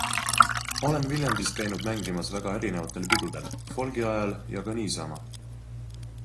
Olen Viljandis käinud mängimas väga erinevatel pidudel - folgi ajal ja ka niisama.